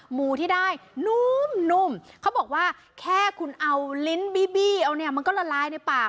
หมูที่ได้นุ่มเขาบอกว่าแค่คุณเอาลิ้นบีบี้เอาเนี่ยมันก็ละลายในปาก